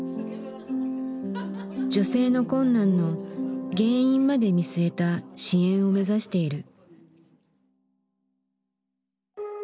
女性の困難の原因まで見据えた支援を目指している。